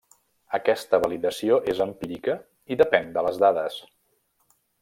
Aquesta validació és empírica i depèn de les dades.